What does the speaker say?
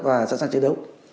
và sẵn sàng chiến đấu